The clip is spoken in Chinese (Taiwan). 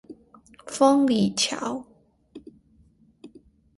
豐里橋